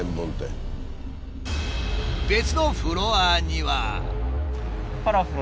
別のフロアには。